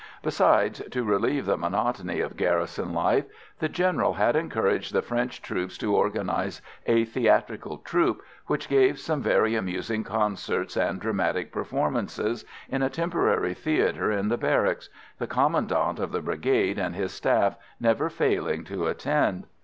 Besides, to relieve the monotony of garrison life, the General had encouraged the French troops to organise a theatrical troupe, which gave some very amusing concerts and dramatic performances in a temporary theatre in the barracks, the Commandant of the Brigade and his staff never failing to attend.